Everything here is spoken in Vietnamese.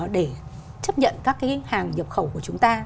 để chấp nhận các cái hàng nhập khẩu của chúng ta